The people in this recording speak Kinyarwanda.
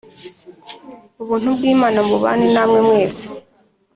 Ubuntu bw’Imana bubane namwe mwese